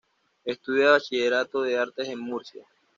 Estudia bachillerato de Artes en Murcia.